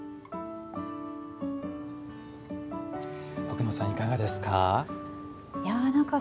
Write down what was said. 奥野さん、いかがですか？